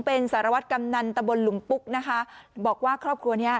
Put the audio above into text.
เป็นสารวัตรกำนันตะบนหลุมปุ๊กนะคะบอกว่าครอบครัวเนี้ย